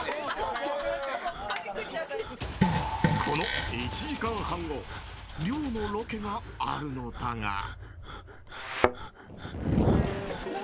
この１時間半後漁のロケがあるのだが。